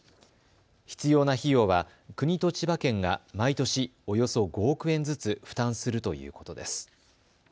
必要な費用は国と千葉県が毎年、およそ５億円ずつ負担するということです。